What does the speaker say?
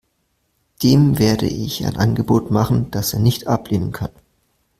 Dem werde ich ein Angebot machen, das er nicht ablehnen kann.